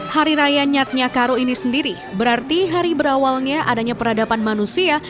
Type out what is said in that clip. hari raya nyatnya karo ini sendiri berarti hari berawalnya adanya peradaban manusia